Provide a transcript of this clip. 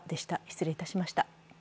失礼いたしました。